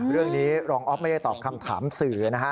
เรื่องนี้รองอ๊อฟไม่ได้ตอบคำถามสื่อนะฮะ